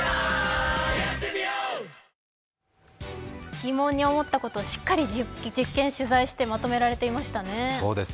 疑問に思ったことをしっかり実験、取材してまとめられていましたね。